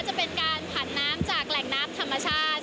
จะเป็นการผันน้ำจากแหล่งน้ำธรรมชาติ